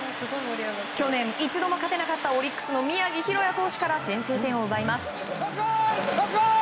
去年、一度も勝てなかったオリックスの宮城大弥投手から先制点を奪います。